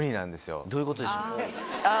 どういうことでしょう？